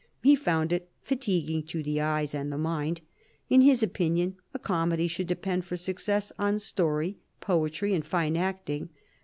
He found it fatiguing to the eyes and the mind : in his opinion a comedy should depend for success on story, poetry, and fine acting.